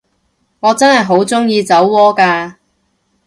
我真係好鍾意酒窩㗎